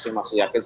saya masih yakin